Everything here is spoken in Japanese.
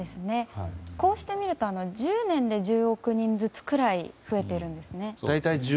こうして見ると１０年で１０億人ずつくらい増えているんですね。